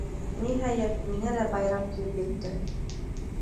Ниһайәт, миңә лә байрам килеп етте.